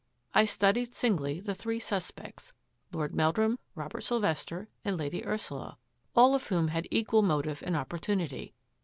I studied singly the three suspects: Lord Meldrum, Robert Sylvester, and Lady Ursula — all of whom had equal motive and opportunity.